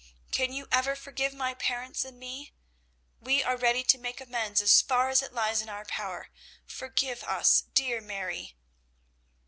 Can you ever forgive my parents and me? We are ready to make amends as far as it lies in our power. Forgive us, dear Mary."